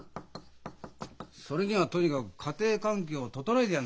それにはとにかく家庭環境を整えてやらなきゃならない。